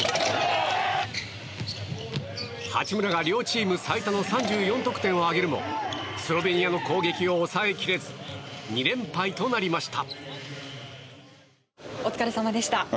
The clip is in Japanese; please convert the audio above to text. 八村が両チーム最多の３４得点を挙げるもスロベニアの攻撃を抑えきれず２連敗となりました。